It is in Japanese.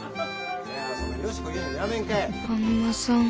あん摩さん。